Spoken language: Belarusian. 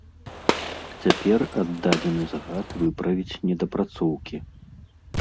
Цяпер аддадзены загад выправіць недапрацоўкі.